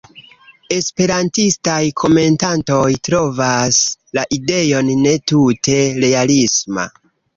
Esperantistaj komentantoj trovas la ideon ne tute realisma.